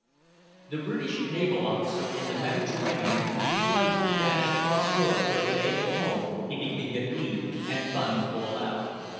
The British naval officer in the Mediterranean delights to dash across Europe for a day at home if he can get leave and funds will allow.